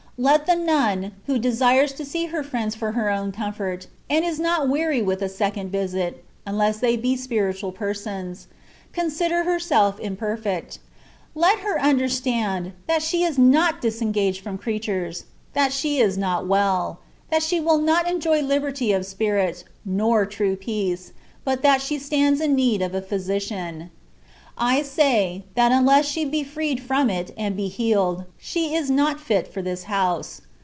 Let the nun, who desires to see her friends for her own comfort, and is not weary with a second visit (unless they be spiritual persons), consider herself imperfect; let her under stand, that she is not disengaged from creatures; that she is not well ; that she will not enjoy liberty of spirit, nor true peace, but that she stands in need of a physician. I say, that unless she be freed from it and be healed, she is not fit for this house.